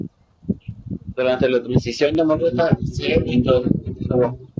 Durante la transición democrática se reintrodujo el cargo.